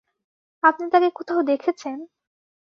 আপনি তাকে কোথাও দেখেছেন?